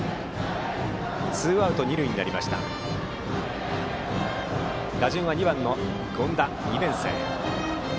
ツーアウト、二塁で打順は２番の権田、２年生。